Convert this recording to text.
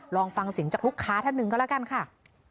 ลองฟังเสียงจากลูกค้าท่านหนึ่งก็แล้วกันค่ะ